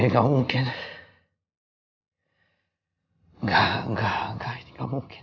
tidak tidak tidak tidak mungkin